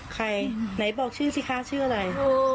ใครไหนบอกชื่อสิคะชื่ออะไร